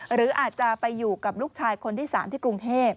หรืออาจจะไปอยู่กับลูกชายคนที่๓ที่กรุงเทพ